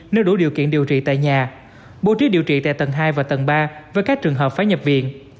nếu đủ điều kiện điều trị tại nhà bố trí điều trị tại tầng hai và tầng ba với các trường hợp phải nhập viện